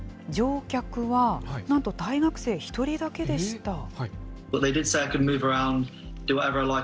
乗客は、なんと、大学生１人だけでした。